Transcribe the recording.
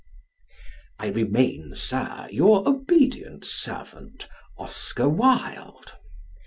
I remain, Sir, your obedient servant, OSCAR WILDE.